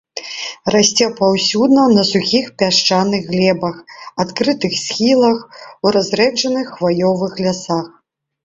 Расце паўсюдна на сухіх пясчаных глебах, адкрытых схілах, у разрэджаных хваёвых лясах.